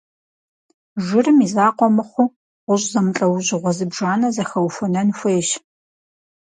Жырым и закъуэ мыхъуу, гъущӏ зэмылӏэужьыгъуэ зыбжанэ зэхэухуэнэн хуейщ.